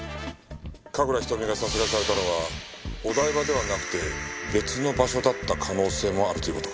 神楽瞳が殺害されたのはお台場ではなくて別の場所だった可能性もあるという事か。